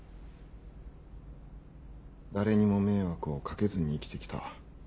誰にも迷惑をかけずに生きてきた。